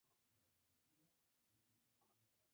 Estudio en el Colegio Pinillos de Mompox.